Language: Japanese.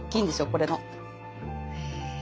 これの。へ。